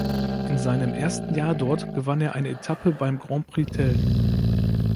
In seinem ersten Jahr dort gewann er eine Etappe beim Grand Prix Tell.